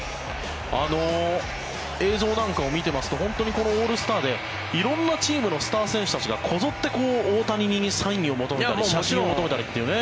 映像なんかを見てますとこのオールスターで色んなチームのスター選手たちがこぞって大谷にサインを求めたり写真を求めたりとね。